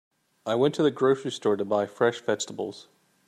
I went to the grocery store to buy fresh vegetables.